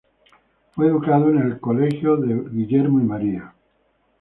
Fue educado en el College of William and Mary.